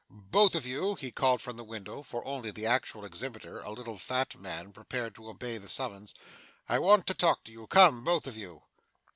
'Both of you,' he called from the window; for only the actual exhibitor a little fat man prepared to obey the summons. 'I want to talk to you. Come both of you!